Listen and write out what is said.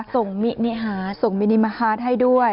ส่งมินิฮาสส่งมินิมาฮาสให้ด้วย